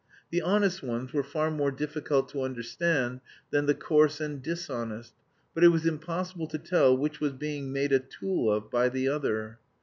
The honest ones were far more difficult to understand than the coarse and dishonest, but it was impossible to tell which was being made a tool of by the other.